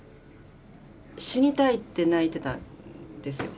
死にたいって泣いてたんですよ。